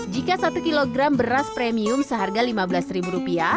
jika satu kg beras premium seharga rp lima belas